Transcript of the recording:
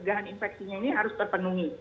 penjagaan infeksinya ini harus terpenungi